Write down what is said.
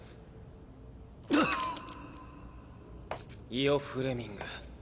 イオ・フレミング。